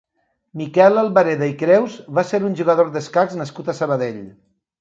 Miquel Albareda i Creus va ser un jugador d'escacs nascut a Sabadell.